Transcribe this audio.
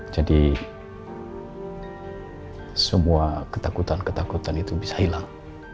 jadi semua ketakutan ketakutan itu bisa hilang